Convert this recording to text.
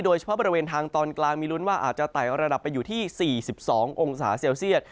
โดยเฉพาะบริเวณทางตอนกลางมีลุ้นว่าอาจจะไต่ระดับไปอยู่ที่๔๒องศาเซลเซียต